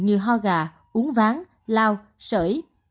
như ho gà uống ván lao sởi